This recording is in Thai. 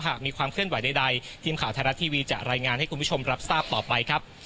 หากมีความเคลื่อนไหวใดทีมข่าวไทยรัฐทีวีจะรายงานให้คุณผู้ชมรับทราบต่อไปครับ